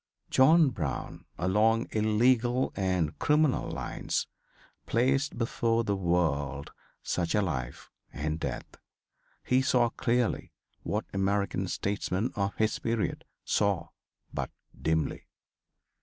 John Brown, along illegal and criminal lines, placed before the world such a life and death. He saw clearly what American statesmen of his period saw but dimly.